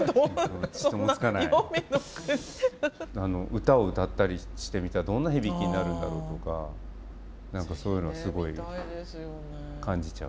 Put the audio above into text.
歌を歌ったりしてみたらどんな響きになるんだろうとか何かそういうのすごい感じちゃう。